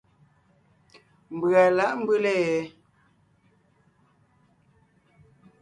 Mbʉ̀a lǎʼ mbʉ́le ?